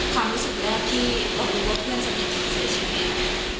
ความรู้สึกแล้วที่เอานี่ว่าเพื่อนสำหรับคุณซึ้งใช่ไหม